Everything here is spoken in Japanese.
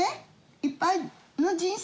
いっぱいの人生